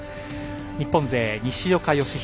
日本勢、西岡良仁